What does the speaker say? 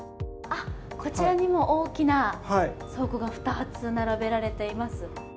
こちらにも大きな倉庫が２つ並べられています。